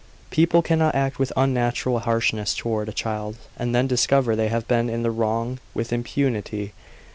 People cannot act with unnatural harshness toward a child, and then discover they have been in the wrong, with impunity.